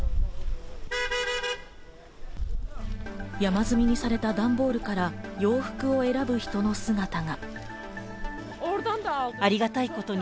山積みにされた段ボールから洋服を選ぶ、人の姿が。